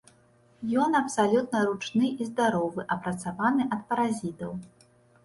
Ён абсалютна ручны і здаровы, апрацаваны ад паразітаў.